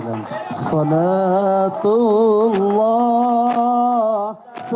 wassalamualaikum warahmatullahi wabarakatuh